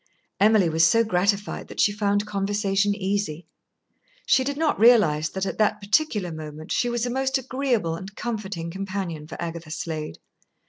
Emily was so gratified that she found conversation easy. She did not realise that at that particular moment she was a most agreeable and comforting companion for Agatha Slade.